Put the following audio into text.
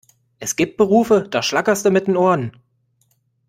Es gibt Berufe, da schlackerste mit den Ohren!